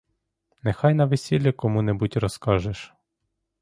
Нехай на весіллі кому-небудь розкажеш.